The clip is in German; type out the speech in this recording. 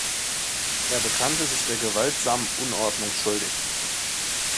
Er bekannte sich der gewaltsamen Unordnung schuldig.